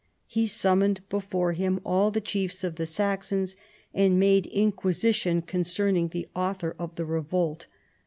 He summoned before him all the chiefs of the Saxons, and made inquisition concerning the author of the revolt.